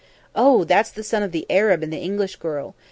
"Oh, that's the son of the Arab and the English girl.